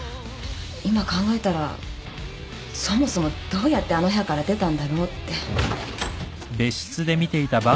今考えたらそもそもどうやってあの部屋から出たんだろうって。